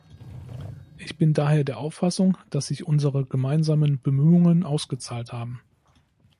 Ich bin daher der Auffassung, dass sich unsere gemeinsamen Bemühungen ausgezahlt haben.